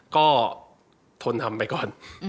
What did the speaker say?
ก็ทนทำไปก่อน